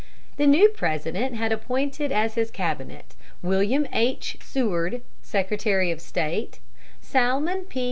The new President had appointed as his cabinet William H. Seward, Secretary of State; Salmon P.